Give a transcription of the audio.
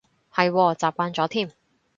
係喎，習慣咗添